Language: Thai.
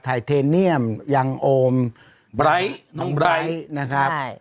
ไทเทเนียมยังโอมบร้ายน้องบร้ายนะครับใช่